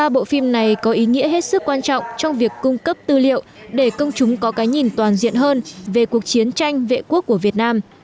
ba bộ phim này có ý nghĩa hết sức quan trọng trong việc cung cấp tư liệu để công chúng có cái nhìn toàn diện hơn về cuộc chiến tranh vệ quốc của việt nam